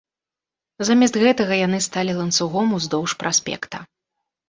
Замест гэтага яны сталі ланцугом уздоўж праспекта.